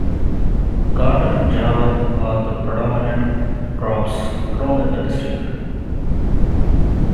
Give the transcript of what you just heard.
Cotton and Jawar are the predominant crops grown in the district.